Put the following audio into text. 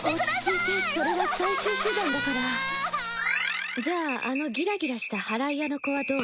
落ち着いてそれは最終手段だからじゃああのギラギラした祓い屋の子はどう？